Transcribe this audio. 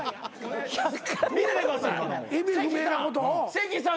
関さん